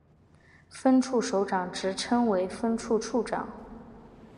分处首长职称为分处处长。